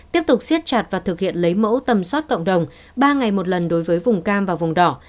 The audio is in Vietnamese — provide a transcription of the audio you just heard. tiếp tục siết chặt và thực hiện lấy mẫu tầm soát cộng đồng ba ngày một lần đối với vùng cam và vùng đỏ